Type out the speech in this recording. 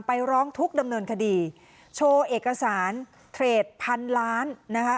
ร้องทุกข์ดำเนินคดีโชว์เอกสารเทรดพันล้านนะคะ